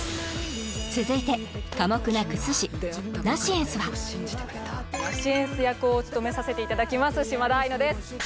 続いて寡黙な薬師ナシエンスはナシエンス役を務めさせていただきます島田愛野です